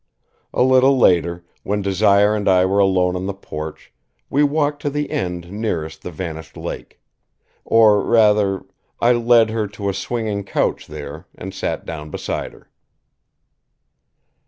A little later, when Desire and I were alone on the porch, we walked to the end nearest the vanished lake. Or rather, I led her to a swinging couch there, and sat down beside her.